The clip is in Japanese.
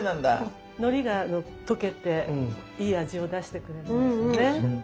のりが溶けていい味を出してくれるんですよね。